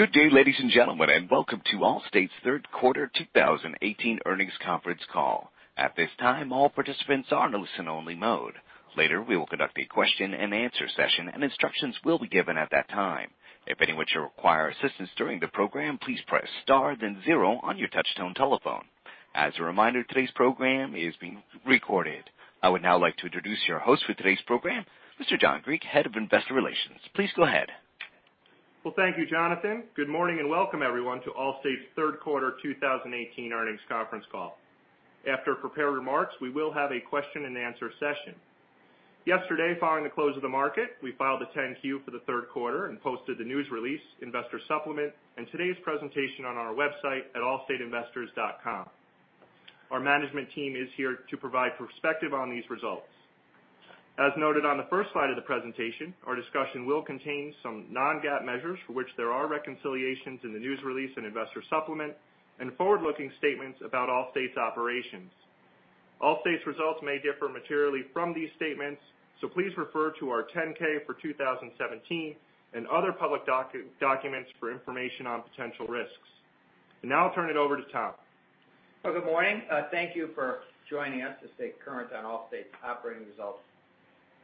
Good day, ladies and gentlemen, welcome to Allstate's third quarter 2018 earnings conference call. At this time, all participants are in listen only mode. Later, we will conduct a question and answer session, instructions will be given at that time. If anyone should require assistance during the program, please press star then zero on your touchtone telephone. As a reminder, today's program is being recorded. I would now like to introduce your host for today's program, Mr. John Griek, Head of Investor Relations. Please go ahead. Thank you, Jonathan. Good morning, welcome everyone to Allstate's third quarter 2018 earnings conference call. After prepared remarks, we will have a question and answer session. Yesterday, following the close of the market, we filed a 10-Q for the third quarter and posted the news release, investor supplement, today's presentation on our website at allstateinvestors.com. Our management team is here to provide perspective on these results. As noted on the first slide of the presentation, our discussion will contain some non-GAAP measures for which there are reconciliations in the news release and investor supplement and forward-looking statements about Allstate's operations. Allstate's results may differ materially from these statements, please refer to our 10-K for 2017 and other public documents for information on potential risks. I'll turn it over to Tom. Good morning. Thank you for joining us to stay current on Allstate's operating results.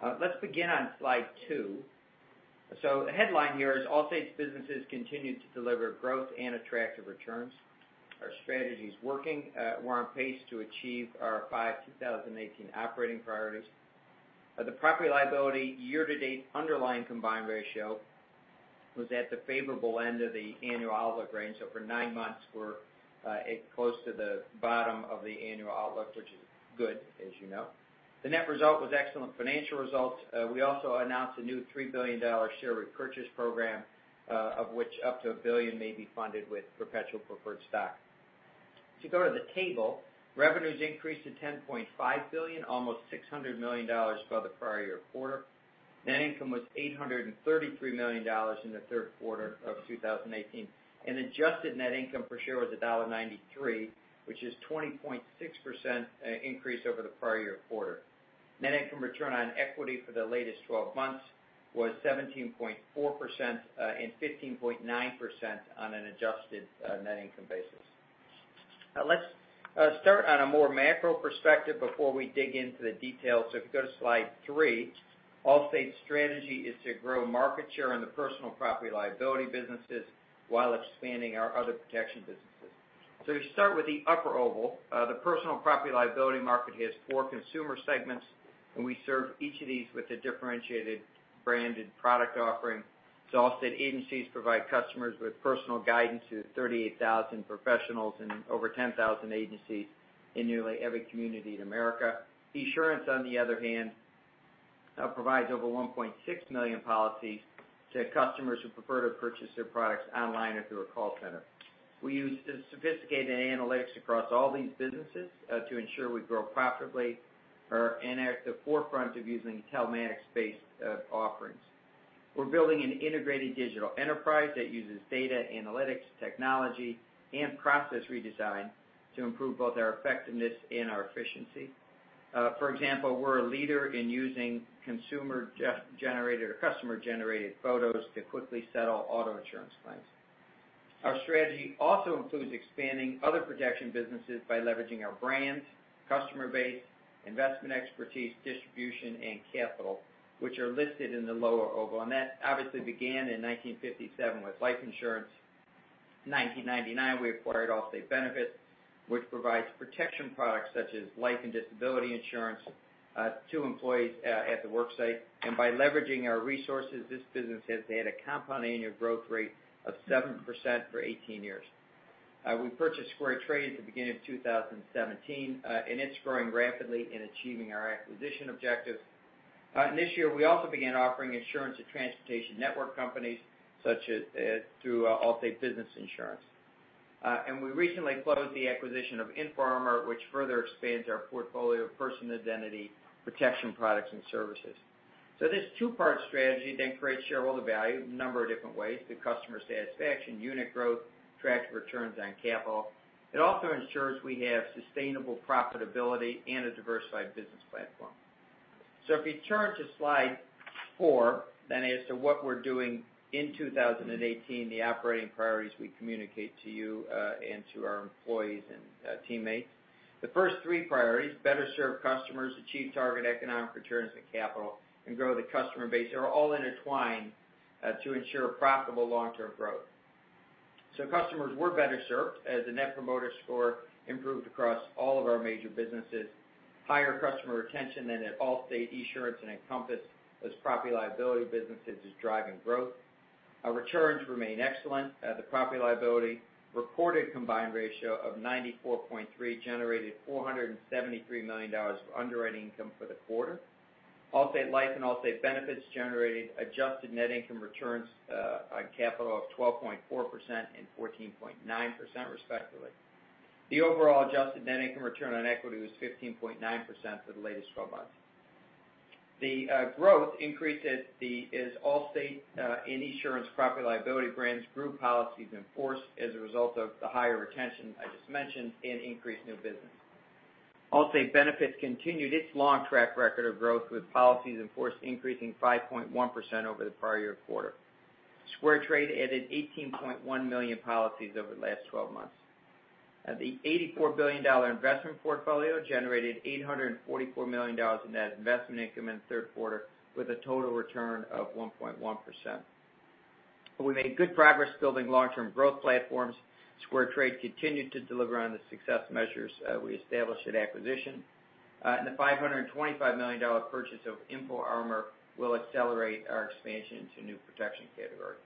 Let's begin on slide two. The headline here is Allstate's businesses continue to deliver growth and attractive returns. Our strategy's working. We're on pace to achieve our five 2018 operating priorities. The property and liability year-to-date underlying combined ratio was at the favorable end of the annual outlook range. For nine months, we're close to the bottom of the annual outlook, which is good as you know. The net result was excellent financial results. We also announced a new $3 billion share repurchase program, of which up to $1 billion may be funded with perpetual preferred stock. If you go to the table, revenues increased to $10.5 billion, almost $600 million above the prior year quarter. Net income was $833 million in the third quarter of 2018, adjusted net income per share was $1.93, which is 20.6% increase over the prior year quarter. Net income return on equity for the latest 12 months was 17.4%, 15.9% on an adjusted net income basis. Let's start on a more macro perspective before we dig into the details. If you go to slide three, Allstate's strategy is to grow market share in the personal property and liability businesses while expanding our other protection businesses. If you start with the upper oval, the personal property and liability market has four consumer segments, we serve each of these with a differentiated branded product offering. Allstate agencies provide customers with personal guidance to 38,000 professionals and over 10,000 agencies in nearly every community in America. Esurance, on the other hand, provides over 1.6 million policies to customers who prefer to purchase their products online or through a call center. We use sophisticated analytics across all these businesses to ensure we grow profitably and are at the forefront of using telematics-based offerings. We're building an integrated digital enterprise that uses data analytics, technology, and process redesign to improve both our effectiveness and our efficiency. For example, we're a leader in using consumer-generated or customer-generated photos to quickly settle auto insurance claims. Our strategy also includes expanding other protection businesses by leveraging our brands, customer base, investment expertise, distribution, and capital, which are listed in the lower oval, and that obviously began in 1957 with life insurance. In 1999, we acquired Allstate Benefits, which provides protection products such as life and disability insurance to employees at the work site. By leveraging our resources, this business has had a compound annual growth rate of 7% for 18 years. We purchased SquareTrade at the beginning of 2017, and it's growing rapidly in achieving our acquisition objectives. This year, we also began offering insurance to transportation network companies through Allstate Business Insurance. We recently closed the acquisition of InfoArmor, which further expands our portfolio of personal identity protection products and services. This two-part strategy then creates shareholder value in a number of different ways through customer satisfaction, unit growth, attractive returns on capital. It also ensures we have sustainable profitability and a diversified business platform. If you turn to slide four, then as to what we're doing in 2018, the operating priorities we communicate to you, and to our employees and teammates. The first three priorities, better serve customers, achieve target economic returns on capital, and grow the customer base are all intertwined to ensure profitable long-term growth. Customers were better served as the Net Promoter Score improved across all of our major businesses. Higher customer retention than at Allstate, Esurance, and Encompass as property and liability businesses is driving growth. Our returns remain excellent. The property and liability reported combined ratio of 94.3 generated $473 million of underwriting income for the quarter. Allstate Life and Allstate Benefits generated adjusted net income returns on capital of 12.4% and 14.9% respectively. The overall adjusted net income return on equity was 15.9% for the latest 12 months. The growth increase is Allstate and Esurance property and liability brands grew policies in force as a result of the higher retention I just mentioned and increased new business. Allstate Benefits continued its long track record of growth with policies in force increasing 5.1% over the prior year quarter. SquareTrade added 18.1 million policies over the last 12 months. The $84 billion investment portfolio generated $844 million in net investment income in the third quarter, with a total return of 1.1%. We made good progress building long-term growth platforms. SquareTrade continued to deliver on the success measures we established at acquisition. The $525 million purchase of InfoArmor will accelerate our expansion into new protection categories.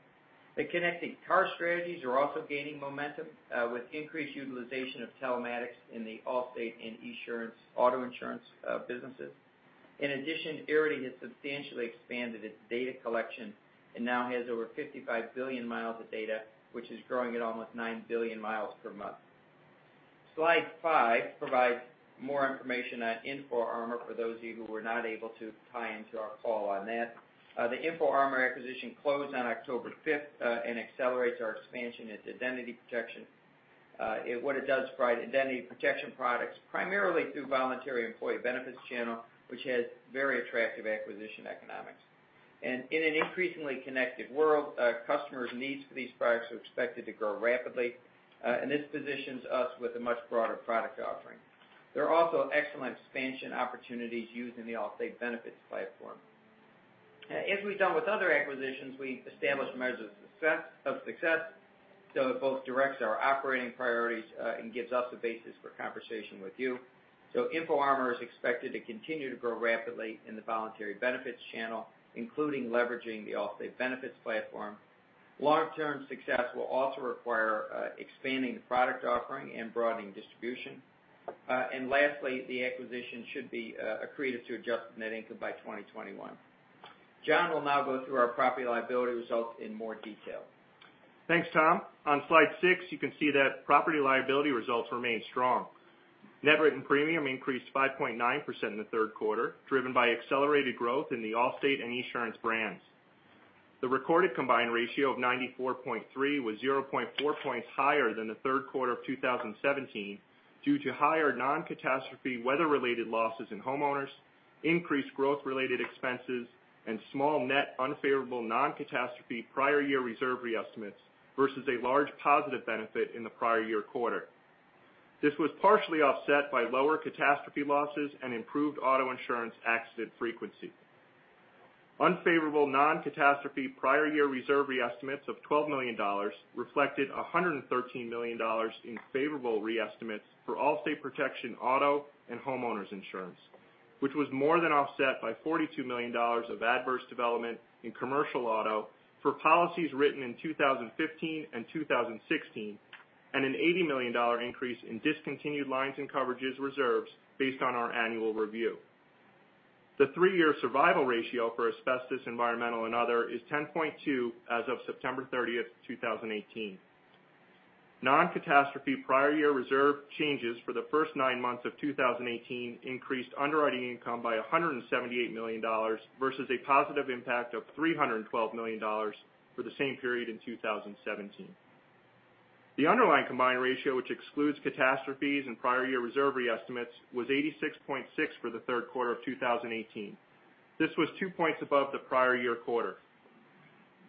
The connected car strategies are also gaining momentum, with increased utilization of telematics in the Allstate and Esurance auto insurance businesses. In addition, Arity has substantially expanded its data collection and now has over 55 billion miles of data, which is growing at almost 9 billion miles per month. Slide 5 provides more information on InfoArmor for those of you who were not able to tie into our call on that. The InfoArmor acquisition closed on October 5th and accelerates our expansion into identity protection. What it does provide, identity protection products, primarily through voluntary employee benefits channel, which has very attractive acquisition economics. In an increasingly connected world, customers' needs for these products are expected to grow rapidly, and this positions us with a much broader product offering. There are also excellent expansion opportunities using the Allstate Benefits platform. As we've done with other acquisitions, we established measures of success, so it both directs our operating priorities, and gives us a basis for conversation with you. InfoArmor is expected to continue to grow rapidly in the voluntary benefits channel, including leveraging the Allstate Benefits platform. Long-term success will also require expanding the product offering and broadening distribution. Lastly, the acquisition should be accretive to adjusted net income by 2021. John will now go through our property liability results in more detail. Thanks, Tom. On slide 6, you can see that property liability results remained strong. Net written premium increased 5.9% in the third quarter, driven by accelerated growth in the Allstate and Esurance brands. The recorded combined ratio of 94.3 was 0.4 points higher than the third quarter of 2017 due to higher non-catastrophe weather-related losses in homeowners, increased growth-related expenses, and small net unfavorable non-catastrophe prior year reserve re-estimates versus a large positive benefit in the prior year quarter. This was partially offset by lower catastrophe losses and improved auto insurance accident frequency. Unfavorable non-catastrophe prior year reserve re-estimates of $12 million reflected $113 million in favorable re-estimates for Allstate Protection Auto and homeowners insurance, which was more than offset by $42 million of adverse development in commercial auto for policies written in 2015 and 2016, and an $80 million increase in discontinued lines and coverages reserves based on our annual review. The three-year survival ratio for asbestos, environmental and other is 10.2 as of September 30th, 2018. Non-catastrophe prior year reserve changes for the first nine months of 2018 increased underwriting income by $178 million versus a positive impact of $312 million for the same period in 2017. The underlying combined ratio, which excludes catastrophes and prior year reserve re-estimates, was 86.6 for the third quarter of 2018. This was two points above the prior year quarter.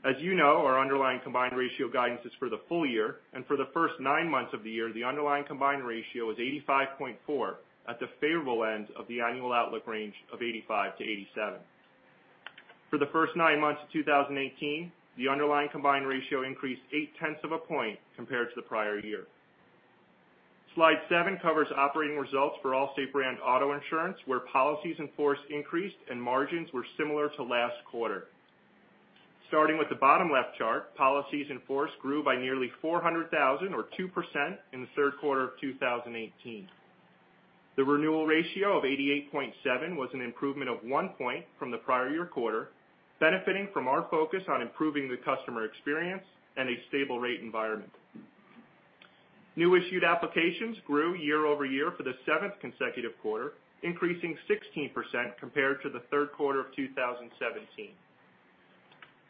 As you know, our underlying combined ratio guidance is for the full year, and for the first nine months of the year, the underlying combined ratio is 85.4 at the favorable end of the annual outlook range of 85 to 87. For the first nine months of 2018, the underlying combined ratio increased 0.8 of a point compared to the prior year. Slide seven covers operating results for Allstate brand Auto Insurance, where policies in force increased and margins were similar to last quarter. Starting with the bottom left chart, policies in force grew by nearly 400,000 or 2% in the third quarter of 2018. The renewal ratio of 88.7 was an improvement of one point from the prior year quarter, benefiting from our focus on improving the customer experience and a stable rate environment. New issued applications grew year-over-year for the seventh consecutive quarter, increasing 16% compared to the third quarter of 2017.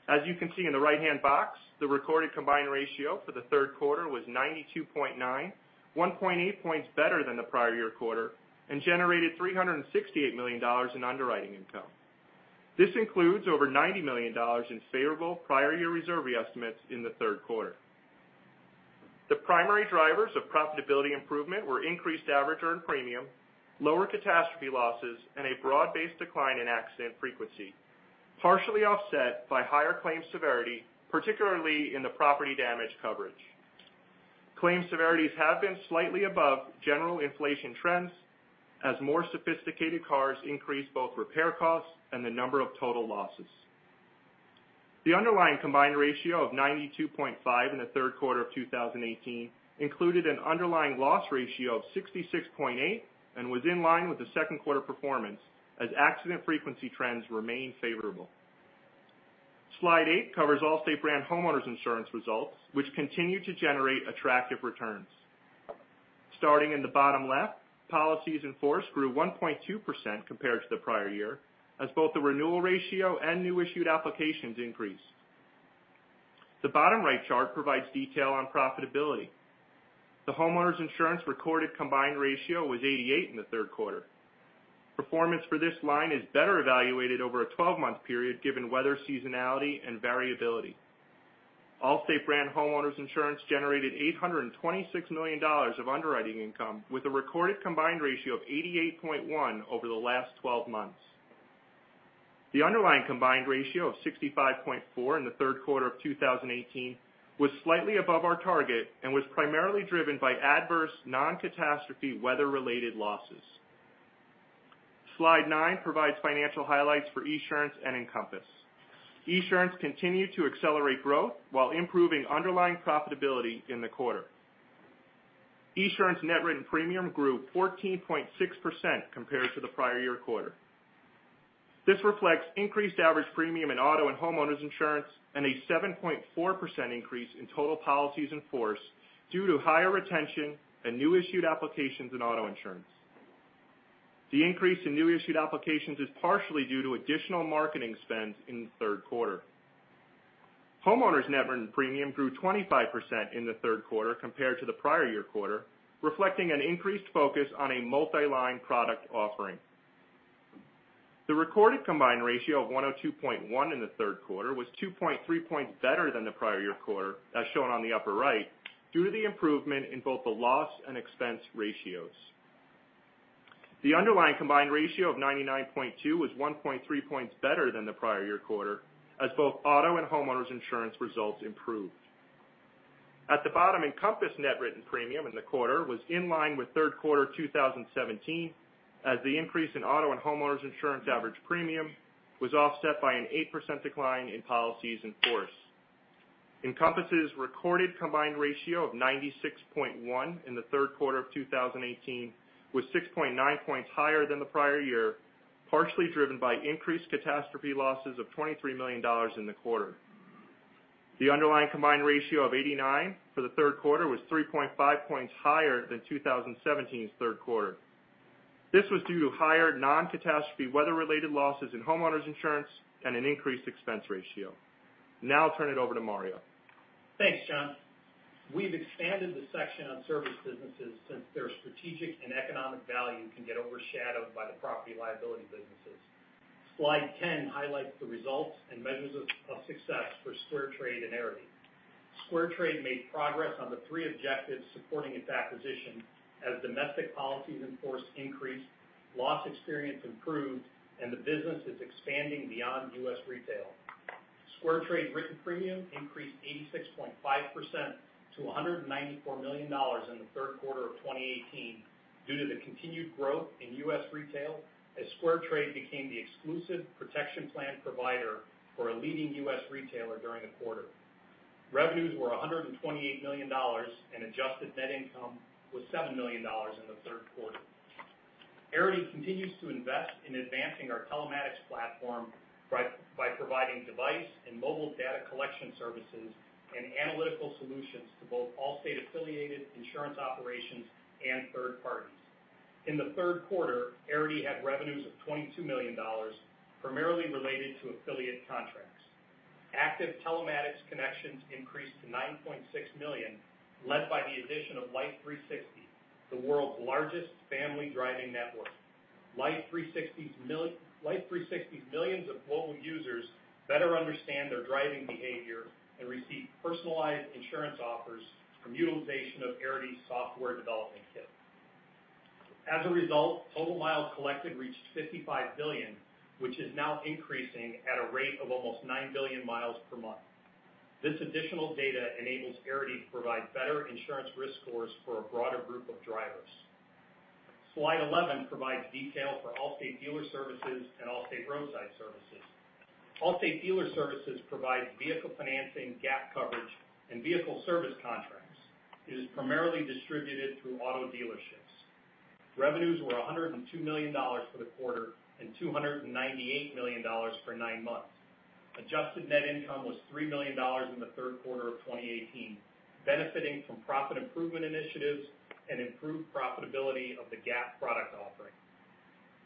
As you can see in the right-hand box, the recorded combined ratio for the third quarter was 92.9, 1.8 points better than the prior year quarter, and generated $368 million in underwriting income. This includes over $90 million in favorable prior year reserve re-estimates in the third quarter. The primary drivers of profitability improvement were increased average earned premium, lower catastrophe losses, and a broad-based decline in accident frequency, partially offset by higher claims severity, particularly in the property damage coverage. Claims severities have been slightly above general inflation trends as more sophisticated cars increase both repair costs and the number of total losses. The underlying combined ratio of 92.5 in the third quarter of 2018 included an underlying loss ratio of 66.8 and was in line with the second quarter performance as accident frequency trends remained favorable. Slide eight covers Allstate brand Homeowners Insurance results, which continued to generate attractive returns. Starting in the bottom left, policies in force grew 1.2% compared to the prior year as both the renewal ratio and new issued applications increased. The bottom right chart provides detail on profitability. The homeowners insurance recorded combined ratio was 88 in the third quarter. Performance for this line is better evaluated over a 12-month period, given weather seasonality and variability. Allstate brand Homeowners Insurance generated $826 million of underwriting income with a recorded combined ratio of 88.1 over the last 12 months. The underlying combined ratio of 65.4 in the third quarter of 2018 was slightly above our target and was primarily driven by adverse non-catastrophe weather-related losses. Slide nine provides financial highlights for Esurance and Encompass. Esurance continued to accelerate growth while improving underlying profitability in the quarter. Esurance net written premium grew 14.6% compared to the prior year quarter. This reflects increased average premium in auto and homeowners insurance, and a 7.4% increase in total policies in force due to higher retention and new issued applications in auto insurance. The increase in new issued applications is partially due to additional marketing spends in the third quarter. Homeowners net written premium grew 25% in the third quarter compared to the prior year quarter, reflecting an increased focus on a multi-line product offering. The recorded combined ratio of 102.1 in the third quarter was 2.3 points better than the prior year quarter, as shown on the upper right, due to the improvement in both the loss and expense ratios. The underlying combined ratio of 99.2 was 1.3 points better than the prior year quarter, as both auto and homeowners insurance results improved. At the bottom, Encompass net written premium in the quarter was in line with third quarter 2017, as the increase in auto and homeowners insurance average premium was offset by an 8% decline in policies in force. Encompass' recorded combined ratio of 96.1 in the third quarter of 2018 was 6.9 points higher than the prior year, partially driven by increased catastrophe losses of $23 million in the quarter. The underlying combined ratio of 89 for the third quarter was 3.5 points higher than 2017's third quarter. This was due to higher non-catastrophe weather-related losses in homeowners insurance and an increased expense ratio. Now I'll turn it over to Mario. Thanks, John. We've expanded the section on service businesses since their strategic and economic value can get overshadowed by the property liability businesses. Slide 10 highlights the results and measures of success for SquareTrade and Arity. SquareTrade made progress on the three objectives supporting its acquisition as domestic policies in force increased, loss experience improved, and the business is expanding beyond U.S. retail. SquareTrade written premium increased 86.5% to $194 million in the third quarter of 2018 due to the continued growth in U.S. retail as SquareTrade became the exclusive protection plan provider for a leading U.S. retailer during the quarter. Revenues were $128 million, and adjusted net income was $7 million in the third quarter. Arity continues to invest in advancing our telematics platform by providing device and mobile data collection services and analytical solutions to both Allstate-affiliated insurance operations and third parties. In the third quarter, Arity had revenues of $22 million, primarily related to affiliate contracts. Active telematics connections increased to 9.6 million, led by the addition of Life360, the world's largest family driving network. Life360's millions of global users better understand their driving behavior and receive personalized insurance offers from utilization of Arity's software development kit. As a result, total miles collected reached 55 billion, which is now increasing at a rate of almost 9 billion miles per month. This additional data enables Arity to provide better insurance risk scores for a broader group of drivers. Slide 11 provides detail for Allstate Dealer Services and Allstate Roadside Services. Allstate Dealer Services provides vehicle financing, gap coverage, and vehicle service contracts. It is primarily distributed through auto dealerships. Revenues were $102 million for the quarter and $298 million for nine months. Adjusted net income was $3 million in the third quarter of 2018, benefiting from profit improvement initiatives and improved profitability of the GAAP product offering.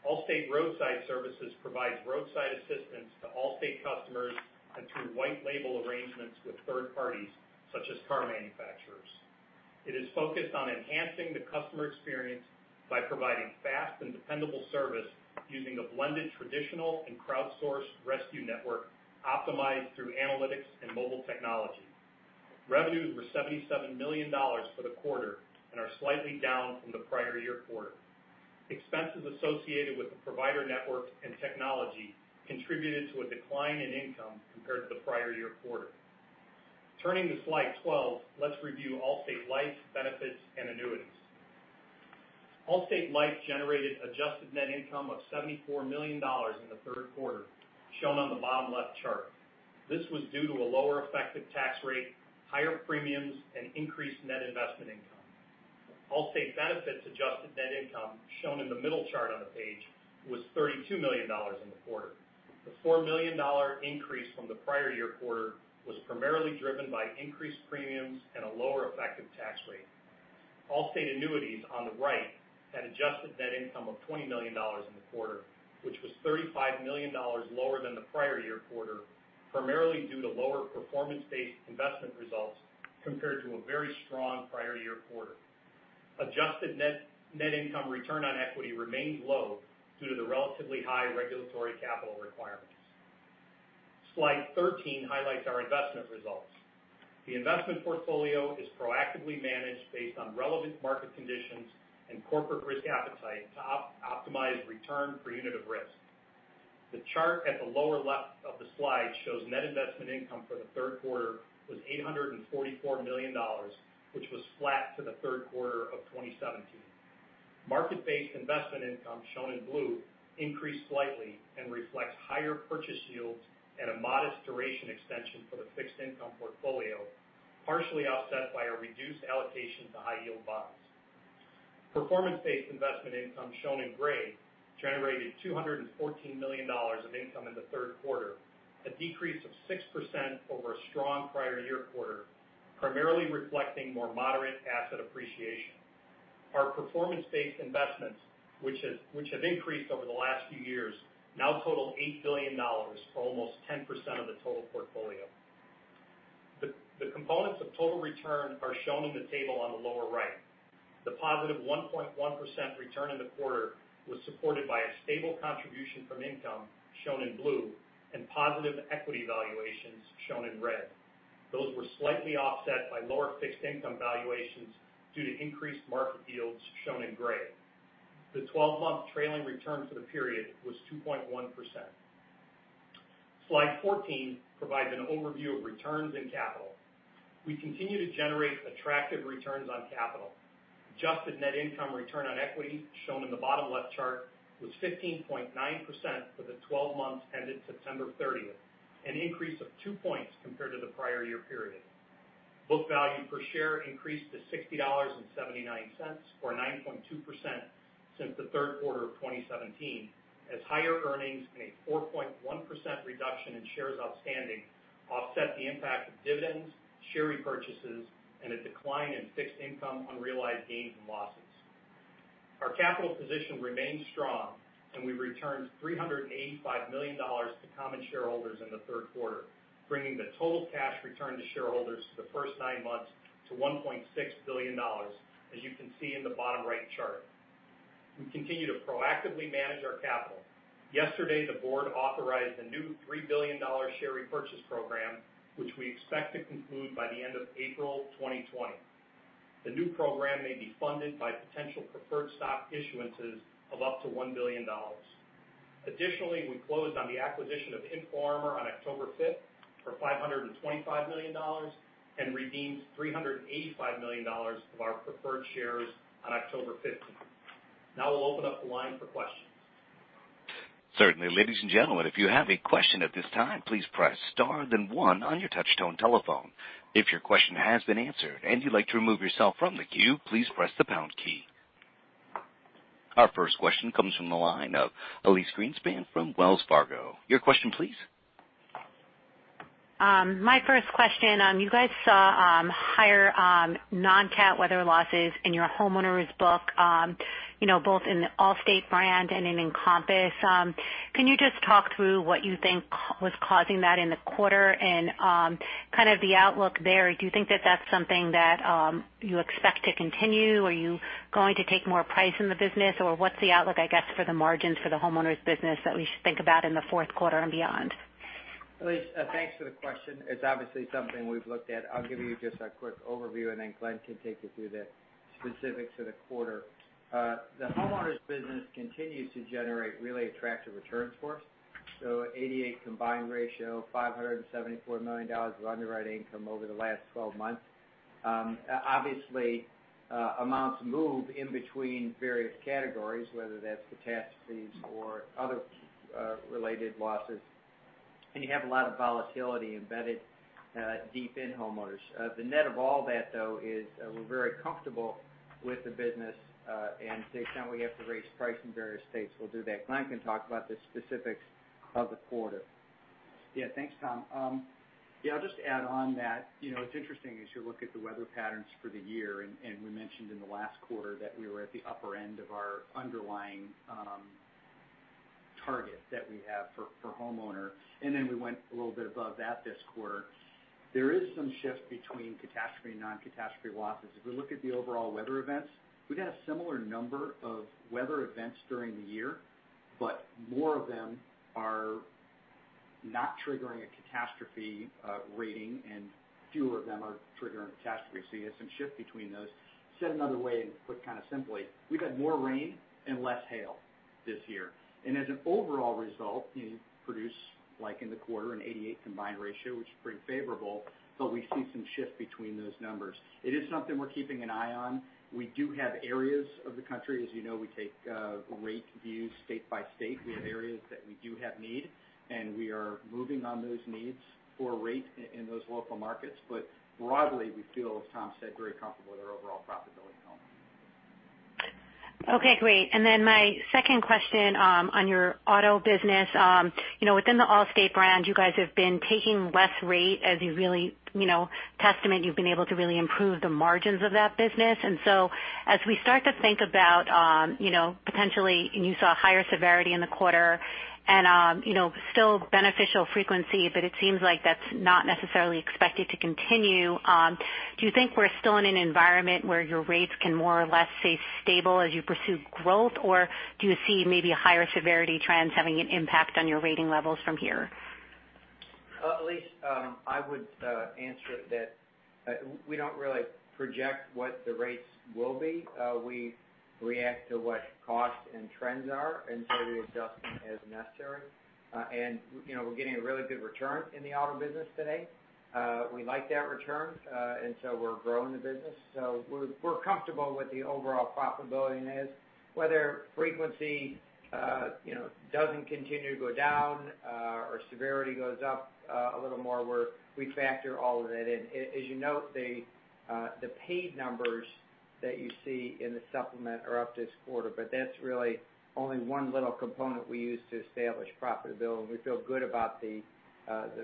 Allstate Roadside Services provides roadside assistance to Allstate customers and through white label arrangements with third parties, such as car manufacturers. It is focused on enhancing the customer experience by providing fast and dependable service using a blended traditional and crowdsourced rescue network optimized through analytics and mobile technology. Revenues were $77 million for the quarter and are slightly down from the prior year quarter. Expenses associated with the provider network and technology contributed to a decline in income compared to the prior year quarter. Turning to slide 12, let's review Allstate Life, Benefits, and Annuities. Allstate Life generated adjusted net income of $74 million in the third quarter, shown on the bottom left chart. This was due to a lower effective tax rate, higher premiums, and increased net investment income. Allstate Benefits adjusted net income, shown in the middle chart on the page, was $32 million in the quarter. The $4 million increase from the prior year quarter was primarily driven by increased premiums and a lower effective tax rate. Allstate annuities on the right had adjusted net income of $20 million in the quarter, which was $35 million lower than the prior year quarter, primarily due to lower performance-based investment results compared to a very strong prior year quarter. Adjusted net income return on equity remained low due to the relatively high regulatory capital requirements. Slide 13 highlights our investment results. The investment portfolio is proactively managed based on relevant market conditions and corporate risk appetite to optimize return per unit of risk. The chart at the lower left of the slide shows net investment income for the third quarter was $844 million, which was flat to the third quarter of 2017. Market-based investment income, shown in blue, increased slightly and reflects higher purchase yields and a modest duration extension for the fixed income portfolio, partially offset by a reduced allocation to high-yield bonds. Performance-based investment income, shown in gray, generated $214 million of income in the third quarter, a decrease of 6% over a strong prior year quarter, primarily reflecting more moderate asset appreciation. Our performance-based investments, which have increased over the last few years, now total $8 billion, or almost 10% of the total portfolio. The components of total return are shown in the table on the lower right. The positive 1.1% return in the quarter was supported by a stable contribution from income, shown in blue, and positive equity valuations, shown in red. Those were slightly offset by lower fixed income valuations due to increased market yields, shown in gray. The 12-month trailing return for the period was 2.1%. Slide 14 provides an overview of returns and capital. We continue to generate attractive returns on capital. Adjusted net income return on equity, shown in the bottom left chart, was 15.9% for the 12 months ended September 30th, an increase of two points compared to the prior year period. Book value per share increased to $60.79, or 9.2% since the third quarter of 2017, as higher earnings and a 4.1% reduction in shares outstanding offset the impact of dividends, share repurchases, and a decline in fixed income unrealized gains and losses. Our capital position remains strong, and we returned $385 million to common shareholders in the third quarter, bringing the total cash returned to shareholders for the first nine months to $1.6 billion, as you can see in the bottom right chart. We continue to proactively manage our capital. Yesterday, the board authorized a new $3 billion share repurchase program, which we expect to conclude by the end of April 2020. The new program may be funded by potential perpetual preferred stock issuances of up to $1 billion. Additionally, we closed on the acquisition of InfoArmor on October 5th for $525 million and redeemed $385 million of our preferred shares on October 15th. I'll open up the line for questions. Certainly. Ladies and gentlemen, if you have a question at this time, please press star then one on your touch-tone telephone. If your question has been answered and you'd like to remove yourself from the queue, please press the pound key. Our first question comes from the line of Elyse Greenspan from Wells Fargo. Your question, please. My first question, you guys saw higher non-cat weather losses in your homeowners book both in the Allstate brand and in Encompass. Can you just talk through what you think was causing that in the quarter and kind of the outlook there? Do you think that that's something that you expect to continue? Are you going to take more price in the business? What's the outlook, I guess, for the margins for the homeowners business that we should think about in the fourth quarter and beyond? Elyse, thanks for the question. It's obviously something we've looked at. I'll give you just a quick overview, then Glenn Shapiro can take you through the specifics of the quarter. The homeowners business continues to generate really attractive returns for us. 88 combined ratio, $574 million of underwriting income over the last 12 months. Obviously, amounts move in between various categories, whether that's catastrophes or other related losses, you have a lot of volatility embedded deep in homeowners. The net of all that, though, is we're very comfortable with the business, to the extent we have to raise price in various states, we'll do that. Glenn Shapiro can talk about the specifics of the quarter. Yeah. Thanks, Tom. Yeah, I'll just add on that. It's interesting as you look at the weather patterns for the year, and we mentioned in the last quarter that we were at the upper end of our underlying target that we have for homeowner, and then we went a little bit above that this quarter. There is some shift between catastrophe and non-catastrophe losses. If we look at the overall weather events, we've had a similar number of weather events during the year, but more of them are not triggering a catastrophe rating, and fewer of them are triggering a catastrophe. You have some shift between those. Said another way, and put kind of simply, we've had more rain and less hail this year. As an overall result, you produce, like in the quarter, an 88 combined ratio, which is pretty favorable, but we see some shift between those numbers. It is something we're keeping an eye on. We do have areas of the country, as you know, we take rate views state by state. We have areas that we do have need, and we are moving on those needs for rate in those local markets. Broadly, we feel, as Tom said, very comfortable with our overall profitability in home. Okay, great. My second question on your auto business. Within the Allstate brand, you guys have been taking less rate as you've been able to really improve the margins of that business. As we start to think about potentially, you saw higher severity in the quarter and still beneficial frequency, but it seems like that's not necessarily expected to continue. Do you think we're still in an environment where your rates can more or less stay stable as you pursue growth, or do you see maybe higher severity trends having an impact on your rating levels from here? Elyse, I would answer that we don't really project what the rates will be. We react to what costs and trends are and so we adjust them as necessary. We're getting a really good return in the auto business today. We like that return, and so we're growing the business. We're comfortable with the overall profitability it is, whether frequency doesn't continue to go down or severity goes up a little more, we factor all of that in. As you note, the paid numbers that you see in the supplement are up this quarter, but that's really only one little component we use to establish profitability, and we feel good about the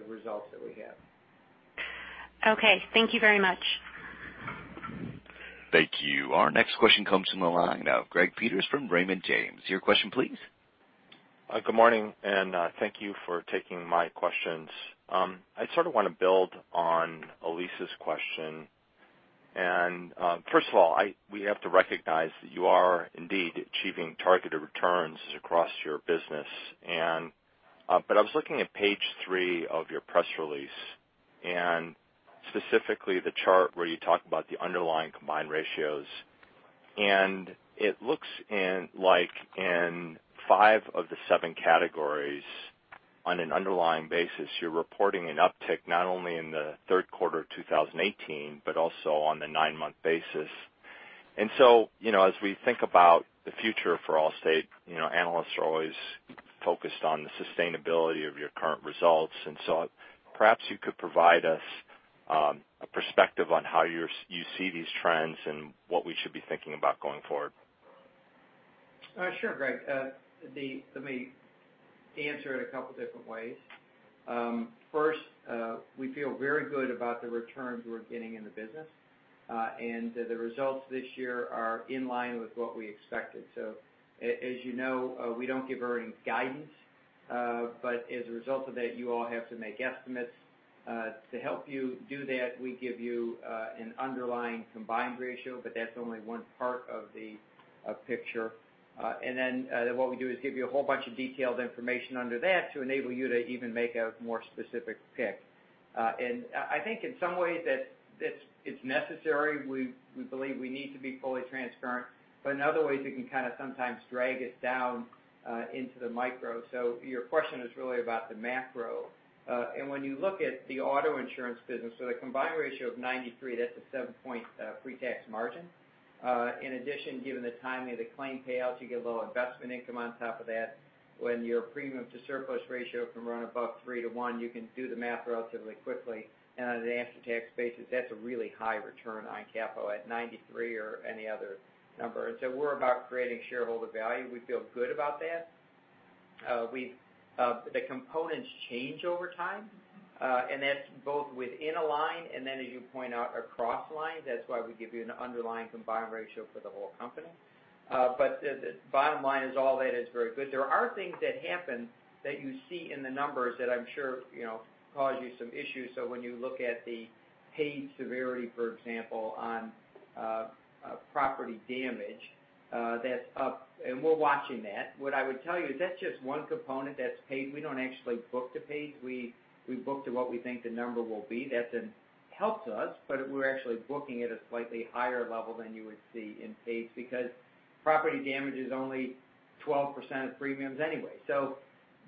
results that we have. Okay. Thank you very much. Thank you. Our next question comes from the line of Greg Peters from Raymond James. Your question, please. Good morning, and thank you for taking my questions. I sort of want to build on Elyse's question. First of all, we have to recognize that you are indeed achieving targeted returns across your business. I was looking at page three of your press release, and specifically the chart where you talk about the underlying combined ratios. It looks like in 5 of the 7 categories on an underlying basis, you're reporting an uptick, not only in the third quarter of 2018, but also on the nine-month basis. As we think about the future for Allstate, analysts are always focused on the sustainability of your current results. Perhaps you could provide us a perspective on how you see these trends and what we should be thinking about going forward. Sure, Greg. Let me answer it a couple different ways. First, we feel very good about the returns we're getting in the business, the results this year are in line with what we expected. As you know, we don't give earnings guidance. As a result of that, you all have to make estimates. To help you do that, we give you an underlying combined ratio, that's only one part of the picture. Then what we do is give you a whole bunch of detailed information under that to enable you to even make a more specific pick. I think in some ways that it's necessary. We believe we need to be fully transparent. In other ways, we can kind of sometimes drag it down into the micro. Your question is really about the macro. When you look at the auto insurance business, the combined ratio of 93%, that's a seven-point pre-tax margin. In addition, given the timing of the claim payouts, you get a little investment income on top of that. When your premium to surplus ratio can run above 3 to 1, you can do the math relatively quickly. On an after-tax basis, that's a really high return on capital at 93% or any other number. We're about creating shareholder value. We feel good about that. The components change over time, and that's both within a line and then as you point out, across lines. That's why we give you an underlying combined ratio for the whole company. The bottom line is all that is very good. There are things that happen that you see in the numbers that I'm sure cause you some issues. When you look at the paid severity, for example, on property damage, that's up, and we're watching that. What I would tell you is that's just one component that's paid. We don't actually book the paid. We book to what we think the number will be. That then helps us, but we're actually booking at a slightly higher level than you would see in paid because property damage is only 12% of premiums anyway.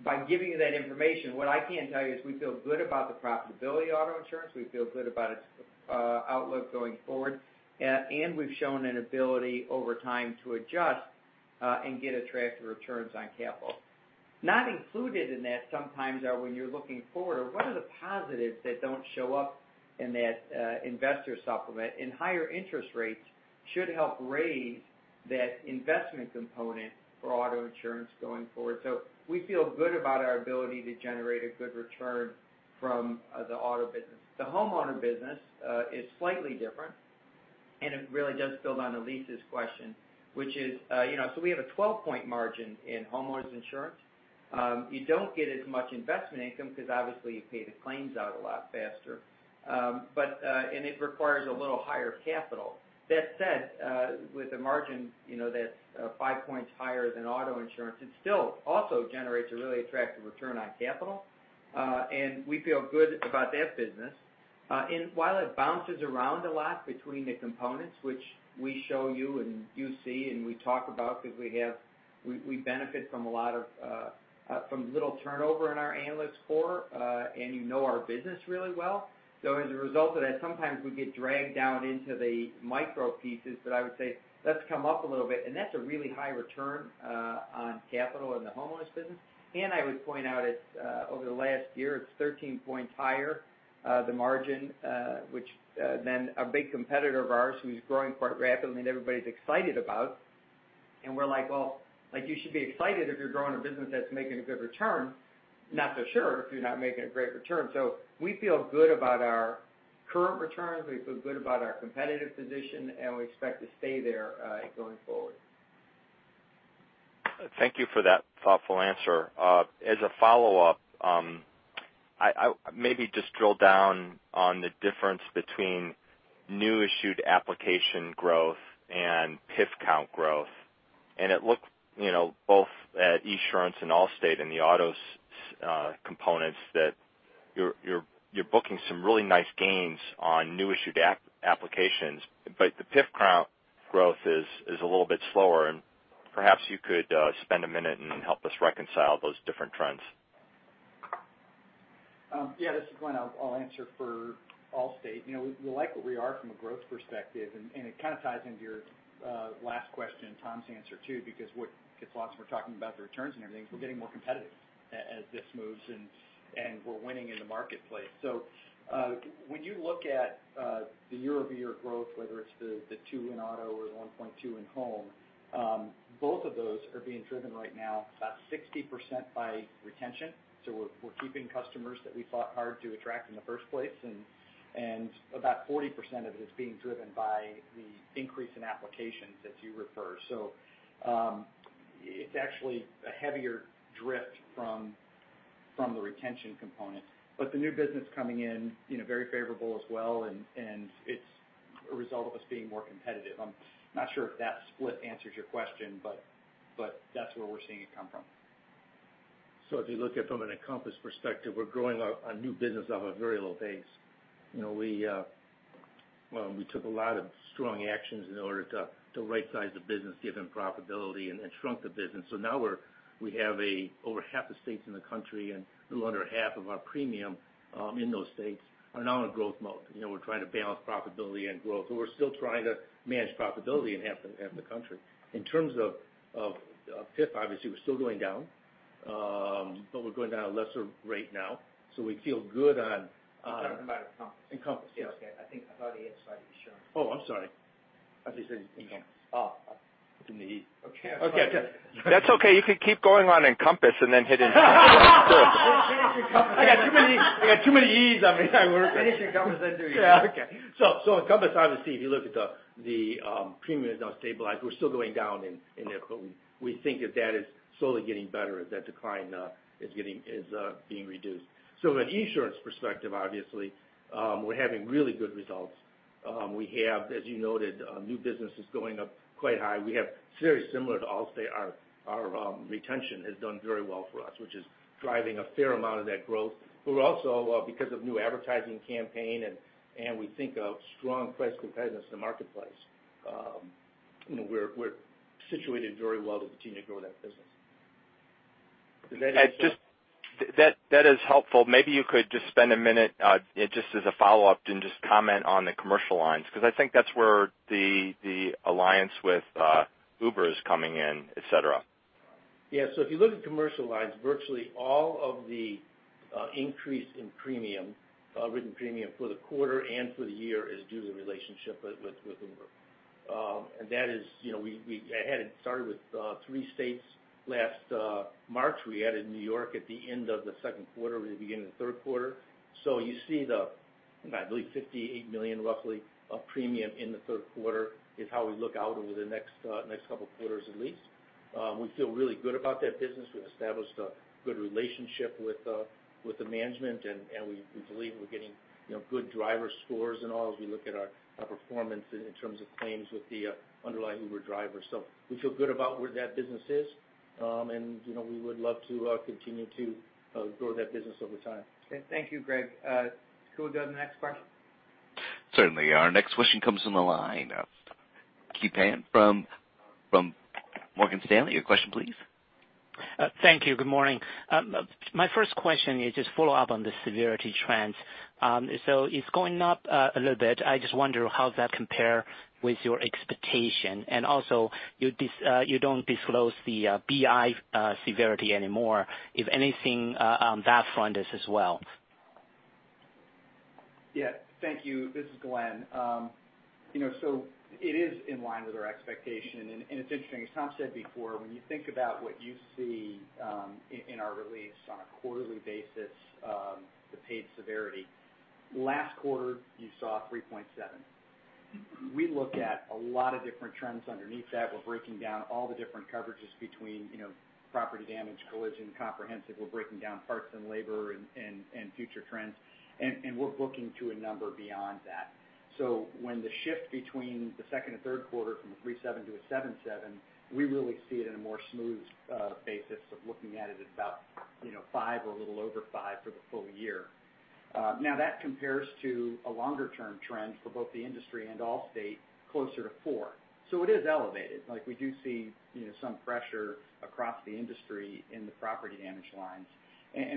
By giving you that information, what I can tell you is we feel good about the profitability of auto insurance. We feel good about its outlook going forward. We've shown an ability over time to adjust, and get attractive returns on capital. Not included in that sometimes are when you're looking forward are what are the positives that don't show up in that investor supplement, higher interest rates should help raise that investment component for auto insurance going forward. We feel good about our ability to generate a good return from the auto business. The homeowner business, is slightly different, and it really does build on Elyse's question, which is, we have a 12-point margin in homeowners insurance. You don't get as much investment income because obviously you pay the claims out a lot faster. It requires a little higher capital. That said, with a margin that's five points higher than auto insurance, it still also generates a really attractive return on capital. We feel good about that business. While it bounces around a lot between the components, which we show you, and you see, and we talk about because we benefit from little turnover in our analyst corps, and you know our business really well. As a result of that, sometimes we get dragged down into the micro pieces, I would say let's come up a little bit. That's a really high return on capital in the homeowners business. I would point out over the last year, it's 13 points higher, the margin, which then a big competitor of ours who's growing quite rapidly and everybody's excited about We're like, "Well, you should be excited if you're growing a business that's making a good return. Not so sure if you're not making a great return." We feel good about our current returns. We feel good about our competitive position, and we expect to stay there going forward. Thank you for that thoughtful answer. As a follow-up, maybe just drill down on the difference between new issued application growth and PIF count growth. It looked both at Esurance and Allstate and the autos components that you're booking some really nice gains on new issued applications. The PIF count growth is a little bit slower, and perhaps you could spend a minute and help us reconcile those different trends. Yeah. This is Glenn. I'll answer for Allstate. We like where we are from a growth perspective, and it kind of ties into your last question, Tom's answer, too, because what gets lost when we're talking about the returns and everything, we're getting more competitive as this moves, and we're winning in the marketplace. When you look at the year-over-year growth, whether it's the two in auto or the 1.2 in home, both of those are being driven right now about 60% by retention. We're keeping customers that we fought hard to attract in the first place, and about 40% of it is being driven by the increase in applications as you refer. It's actually a heavier drift from the retention component. The new business coming in, very favorable as well, and it's a result of us being more competitive. I'm not sure if that split answers your question, but that's where we're seeing it come from. If you look at it from an Encompass perspective, we're growing our new business off a very low base. We took a lot of strong actions in order to right-size the business given profitability and shrunk the business. Now we have over half the states in the country and a little under half of our premium in those states are now in growth mode. We're trying to balance profitability and growth, but we're still trying to manage profitability in half the country. In terms of PIF, obviously, we're still going down. We're going down at a lesser rate now, so we feel good on- I'm talking about Encompass. Encompass. Yes, okay. I think I thought he answered for Esurance. Oh, I'm sorry. I thought you said Encompass. Oh, okay. In the E. Okay. That's okay. You can keep going on Encompass and then hit Esurance. Finish Encompass. I got too many Es on me. Finish Encompass. Do Esurance. Yeah. Okay. Encompass, obviously, if you look at the premium is now stabilized. We're still going down in there, but we think that that is slowly getting better, that decline is being reduced. An Esurance perspective, obviously, we're having really good results. We have, as you noted, new business is going up quite high. We have very similar to Allstate. Our retention has done very well for us, which is driving a fair amount of that growth. We're also, because of new advertising campaign, and we think of strong price competitiveness in the marketplace. We're situated very well to continue to grow that business. Does that answer? That is helpful. Maybe you could just spend a minute, just as a follow-up, and just comment on the commercial lines, because I think that's where the alliance with Uber is coming in, et cetera. Yeah. If you look at commercial lines, virtually all of the increase in written premium for the quarter and for the year is due to the relationship with Uber. It started with three states last March. We added New York at the end of the second quarter or the beginning of the third quarter. You see the, I believe, $58 million roughly of premium in the third quarter is how we look out over the next couple quarters at least. We feel really good about that business. We've established a good relationship with the management, and we believe we're getting good driver scores and all as we look at our performance in terms of claims with the underlying Uber drivers. We feel good about where that business is. We would love to continue to grow that business over time. Okay. Thank you, Greg. Could we go to the next question? Certainly. Our next question comes from the line of Kai Pan from Morgan Stanley. Your question please. Thank you. Good morning. My first question is just follow up on the severity trends. It's going up a little bit. I just wonder how that compare with your expectation. Also, you don't disclose the BI severity anymore, if anything on that front as well. Yeah. Thank you. This is Glenn. It is in line with our expectation, and it's interesting, as Tom said before, when you think about what you see in our release on a quarterly basis, the paid severity, last quarter, you saw 3.7%. We look at a lot of different trends underneath that. We're breaking down all the different coverages between property damage, collision, comprehensive. We're breaking down parts and labor and future trends, and we're booking to a number beyond that. When the shift between the second and third quarter from a 3.7% to a 7.7%, we really see it in a more smooth basis of looking at it at about 5% or a little over 5% for the full year. Now, that compares to a longer-term trend for both the industry and Allstate closer to 4%. It is elevated. We do see some pressure across the industry in the property damage lines.